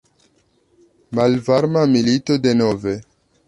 Malvarma milito denove?